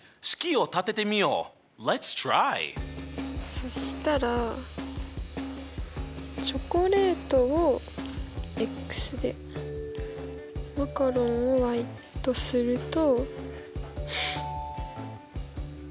そしたらチョコレートをでマカロンをとすると。